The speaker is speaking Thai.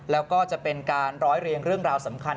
แล้วก็จะเป็นการร้อยเรียงเรื่องราวสำคัญ